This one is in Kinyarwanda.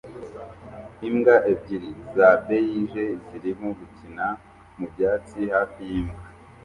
Imbwa ebyiri za beige zirimo gukina mubyatsi hafi yimbwa